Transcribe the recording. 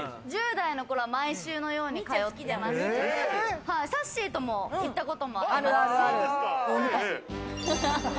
１０代の頃は毎週のように通ってまして、さっしーとも行ったこともありますし。